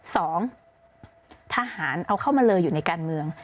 สองทหารเอาเข้ามาเลยอยู่ในการเมือง